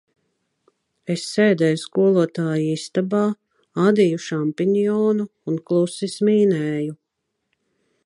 Es sēdēju skolotāju istabā, adīju šampinjonu un klusi smīnēju.